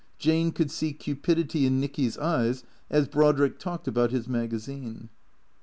Jane could see cupidity in Nicky's eyes as Brodrick talked about his magazine.